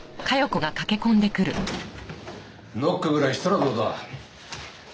ノックぐらいしたらどうだ？